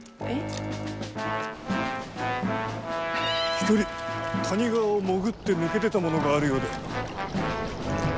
一人谷川を潜って抜け出た者があるようで。